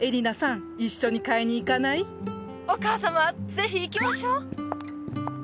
ぜひ行きましょう！